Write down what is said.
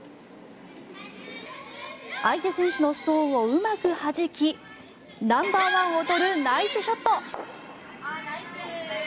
相手選手のストーンをうまくはじきナンバーワンを取るナイスショット。